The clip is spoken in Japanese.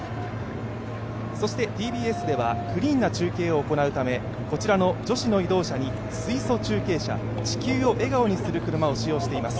ＴＢＳではクリーンな中継を行うためこちらの女子の移動車にこちらの女子移動車に水素中継車「地球を笑顔にするくるま」を使用しています。